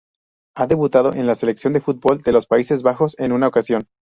Ha debutado en la Selección de fútbol de los Países Bajos en una ocasión.